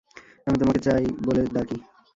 আমি তোমাকে চই বলে ডাকি?